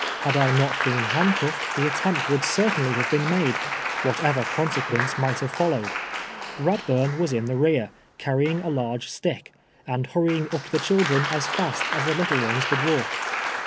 Had I not heen hand cuffed the attemj^t would certainly have heen made, what ever consequence might liave followed. liadburn was in the re:i!', carrying a large stick, and hurrying up the children as last as the little ones could walk.